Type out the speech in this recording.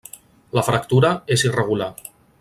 La fractura és irregular.